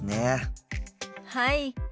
はい。